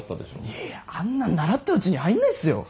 いやいやあんなん習ったうちに入んないっすよ。